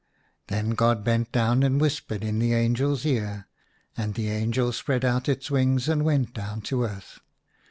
Then God bent down and whispered in the angel's ear, and the angel spread out its wings and went down to earth.